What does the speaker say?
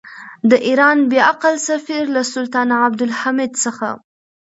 د ایران بې عقل سفیر له سلطان عبدالحمید څخه.